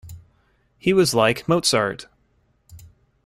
He was like Mozart.